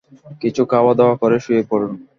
কিছু খাওয়াদাওয়া করে শুয়ে পড়ুন।